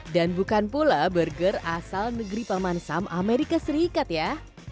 dan bukan pula burger asal negeri pamansam amerika serikat ya